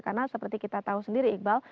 karena seperti kita tahu sendiri iqbal